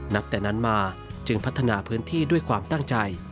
นับแต่นั้นมาจึงพัฒนาพื้นที่ด้วยความตั้งใจ